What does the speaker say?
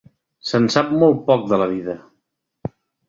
Se'n sap molt poc de la vida.